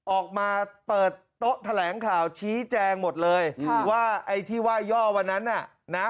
ออกมาเปิดโต๊ะแถลงข่าวชี้แจงหมดเลยว่าไอ้ที่ว่าย่อวันนั้นน่ะนะ